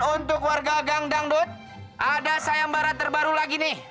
untuk warga gang dangdut ada sayembaran terbaru lagi nih